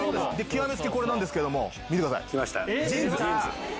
極め付きこれなんですけども見てください。